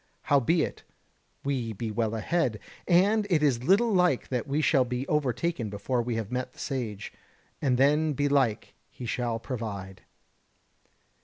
Howbeit, we be well ahead, and it is little like that we shall be overtaken before we have met the Sage; and then belike he shall provide."